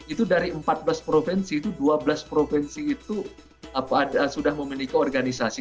itu dari empat belas provinsi itu dua belas provinsi itu sudah memiliki organisasi